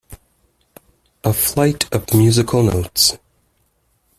A flight of musical notes.